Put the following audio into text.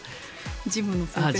ジムの先生とか。